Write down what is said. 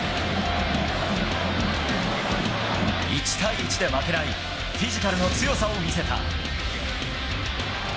１対１で負けない、フィジカルの強さを見せた。